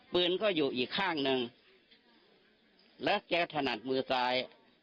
ปืนก็อยู่อีกข้างหนึ่งแล้วแกถนัดมือซ้าย